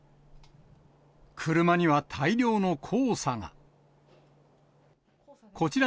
車には大量の黄砂が。